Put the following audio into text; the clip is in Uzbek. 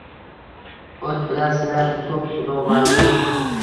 O‘t bilan sinadi ko‘p xudovandim